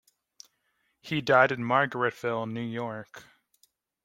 He died in Margaretville, New York.